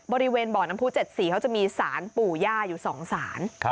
บริเวณบ่อน้ำผู้๗สีเขาจะมีสารปู่ย่าอยู่๒ศาล